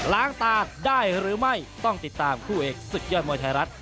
ล้างตาได้หรือไม่ต้องติดตามคู่เอกศึกยอดมวยไทยรัฐ